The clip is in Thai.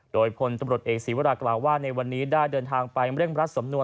โดยพลตำรวจเอกศีวรากล่าวว่าในวันนี้ได้เดินทางไปเร่งรัดสำนวน